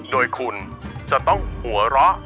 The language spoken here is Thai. โดยคุณจะต้องหัวเราะ